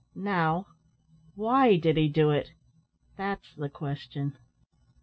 Now, why did he do it? That's the question."